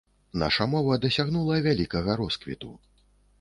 Наша мова дасягнула вялікага росквіту.